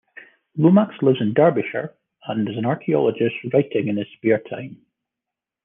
Lomax lives in Derbyshire and is an archaeologist, writing in his spare time.